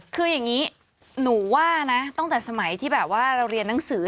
คืออย่างนี้หนูว่านะตั้งแต่สมัยที่แบบว่าเราเรียนหนังสือ